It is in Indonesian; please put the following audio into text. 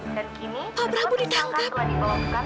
dan kini terbuat kesalahan telah dibawakan